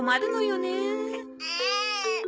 うん？